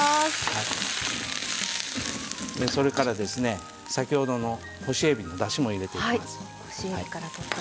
それから、先ほどの干しえびのだしも入れていきます。